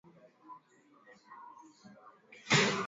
wakilisha bara hili katika mashindano ya kombe la dunia